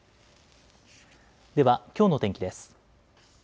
ではきょうの天気です。